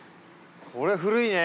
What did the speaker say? これ古いね。